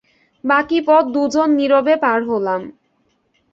বাকি পথ দু জন নীরবে পার হলাম!